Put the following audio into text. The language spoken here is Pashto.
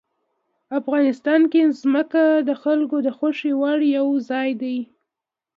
افغانستان کې ځمکه د خلکو د خوښې وړ یو ځای دی.